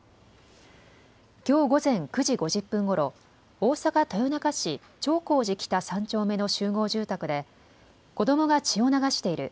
きょう午前９時５０分ごろ大阪豊中市長興寺北３丁目の集合住宅で子どもが血を流している。